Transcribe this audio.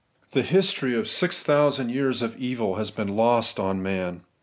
The history of six thousand years of evil has been lost on man.